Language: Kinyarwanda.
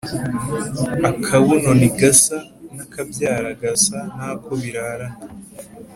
Akabuno ntigasa n’akabyara gasa nako birarana.